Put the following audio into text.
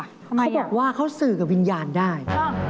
เขาบอกว่าเขาสื่อกับวิญญาณได้